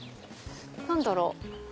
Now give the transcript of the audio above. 何だろう？